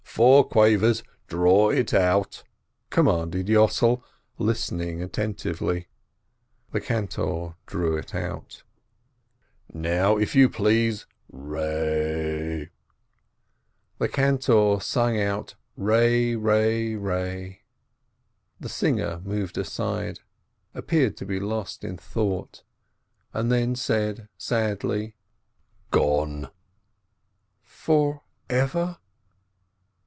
Four quavers — draw it out !" commanded Yossel, listening attentively. The cantor drew it out. 27 414 RAISIN "Now, if you please, re!" The cantor sang out re re re. The singer moved aside, appeared to be lost in thought, and then said, sadly: "Gone I" "Forever?"